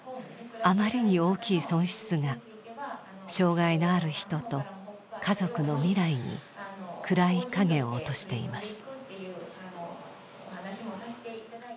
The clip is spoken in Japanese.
あまりに大きい損失が障害のある人と家族の未来に暗い影を落としています。